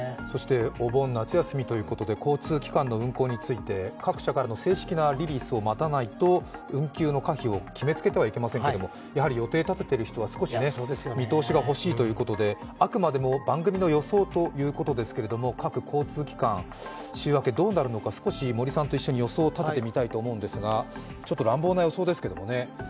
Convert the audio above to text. お盆、夏休みということで交通機関の運行について各社からの正式なリリースを待たないと運休の可否を決めつけてはいけませんということですがやはり予定を立てている人は少し見通しがほしいということであくまでも番組の予想ということですけれども、各交通機関、週明けどうなるのか少し森さんと一緒に予想を立ててみたいと思うんですが乱暴な予想ですけどもね。